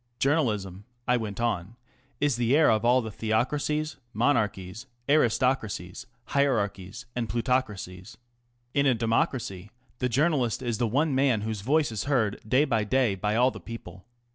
Jour nalism," I went on, " is the heir of all the theo craci es, mon archies, aristo cracies, hier archies, pluto cracies. In a democracy the journalist is the one man whose voice is heard day by day by all the people.